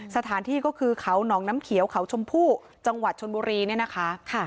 สถานที่ก็คือเขาหนองน้ำเขียวเขาชมพู่จังหวัดชนบุรีเนี่ยนะคะ